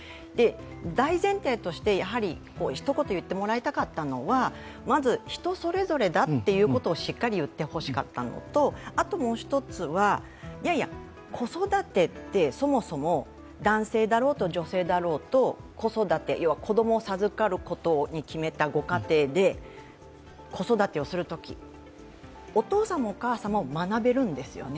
大前提として、やはりひと言言ってもらいたかったのは、まず人それぞれだということをしっかり言ってほしかったのともう１つは、いやいや、子育てって、そもそも男性だろうと女性だろうと子供を授かることに決めたご家庭で子育てをするときお父さんもお母さんも学べるんですよね。